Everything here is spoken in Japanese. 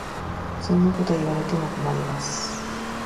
そんなこと言われても困ります。